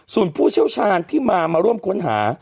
ส่วนผู้เชี่ยวชาญที่มามาร่วมค้นหา